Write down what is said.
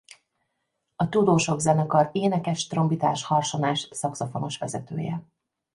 A Tudósok zenekar énekes-trombitás-harsonás-szaxofonos vezetője.